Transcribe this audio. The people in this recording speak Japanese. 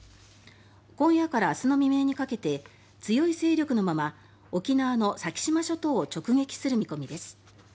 今夜から明日の未明にかけて強い勢力のまま沖縄の先島諸島を直撃する見込みです。